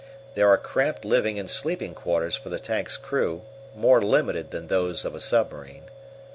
There are cramped living and sleeping quarters for the tank's crew, more limited than those of a submarine.